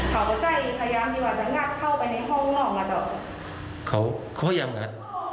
เขาก็ใจพยายามดีกว่าจะงัดเข้าไปในห้องนอกนะเจ้าเขาพยายามงัด